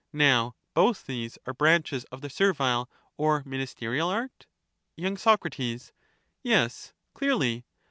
Now both these are branches of the servile or ministerial art. y. Soc, Yes, clearly.